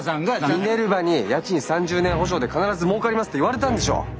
ミネルヴァに「家賃３０年保証で必ずもうかります」って言われたんでしょ。